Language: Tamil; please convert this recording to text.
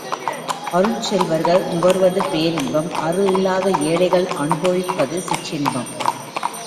அருட்செல்வர்கள் நுகர்வது பேரின்பம் அருள் இல்லாத ஏழைகள் அநுபவிப்பது சிற்றின்பம்.